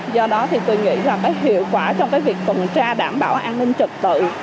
do đó thì tôi nghĩ là mới hiệu quả trong cái việc tuần tra đảm bảo an ninh trật tự